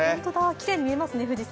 きれいに見えますね、富士山。